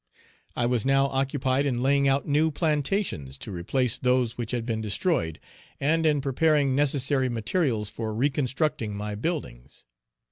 I was now occupied in laying out new plantations to replace those which had been destroyed, and in preparing necessary materials for reconstructing my buildings.